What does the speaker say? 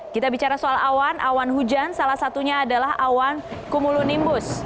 kita bicara soal awan awan hujan salah satunya adalah awan kumulonimbus